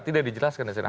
tidak dijelaskan di sini